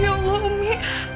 ya allah umi